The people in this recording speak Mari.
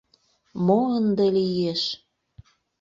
Мо ынде лиеш?